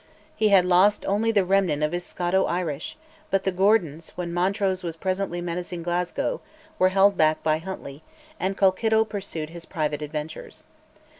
He had lost only the remnant of his Scoto Irish; but the Gordons, when Montrose was presently menacing Glasgow, were held back by Huntly, and Colkitto pursued his private adventures.